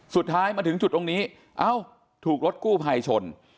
สุดท้ายมาถึงจุดตรงนี้เอ้าถูกรถกู้ภัยชน